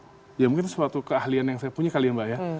ya itu sebenarnya ya mungkin suatu keahlian yang saya punya kalian mbak ya